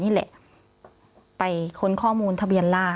พี่เรื่องมันยังไงอะไรยังไง